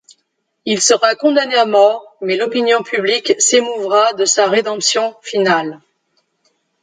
Il sera condamné à mort mais l'opinion publique s’émouvra de sa rédemption finale.